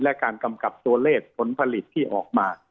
และการกำกับตัวเลขผลผลิตที่ออกมา